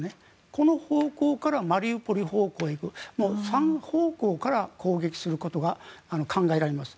この方向からマリウポリ方向へ行く３方向から攻撃することが考えられます。